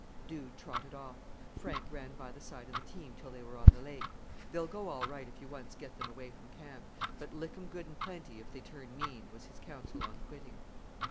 Dude trotted off. Frank ran by the side of the team till they were on the lake. "They'll go all right if you once get them away from camp, but lick 'em good and plenty if they turn mean," was his counsel on quitting.